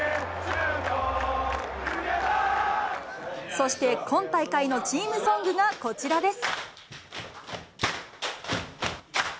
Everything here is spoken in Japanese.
そして今大会のチームソングがこちらです。